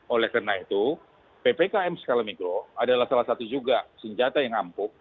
oleh karena itu ppkm skala mikro adalah salah satu juga senjata yang ampuh